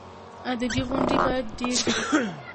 ادبي غونډې باید ډېرې شي.